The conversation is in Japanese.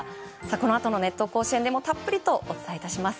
このあとの「熱闘甲子園」でもたっぷりとお伝えいたします。